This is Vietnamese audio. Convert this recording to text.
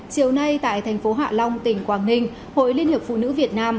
chiều nay tại thành phố hạ long tỉnh quảng ninh hội liên hiệp phụ nữ việt nam